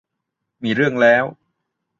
มีเรื่องแล้ว